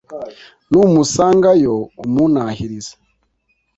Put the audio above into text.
numusangayo umuntahirize